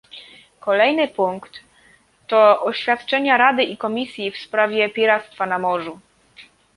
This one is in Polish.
Kolejny punkt to oświadczenia Rady i Komisji w sprawie piractwa na morzu